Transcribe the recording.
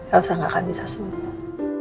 rasa gak akan bisa sembuh